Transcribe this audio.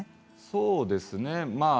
そうですよね。